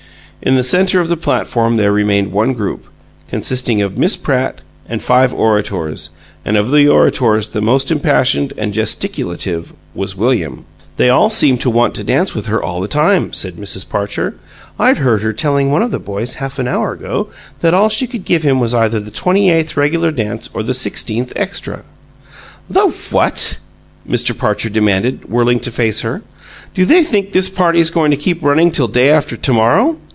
In the center of the platform there remained one group, consisting of Miss Pratt and five orators, and of the orators the most impassioned and gesticulative was William. "They all seem to want to dance with her all the time," said Mrs. Parcher. "I heard her telling one of the boys, half an hour ago, that all she could give him was either the twenty eighth regular dance or the sixteenth 'extra.'" "The what?" Mr. Parcher demanded, whirling to face her. "Do they think this party's going to keep running till day after to morrow?"